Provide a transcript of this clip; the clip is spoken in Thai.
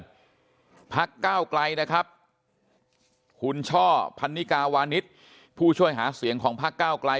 ของภาคก้าวกลัยนะครับคุณช่อพันนิกาวานิชผู้ช่วยหาเสียงของภาคก้ากล้าย